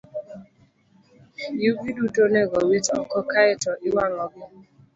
Yugi duto onego owit oko kae to iwang'ogi.